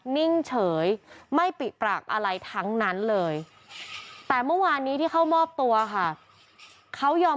นิ่งเฉยไม่ปิปากอะไรทั้งนั้นเลยแต่เมื่อวานนี้ที่เข้ามอบตัวค่ะเขายอม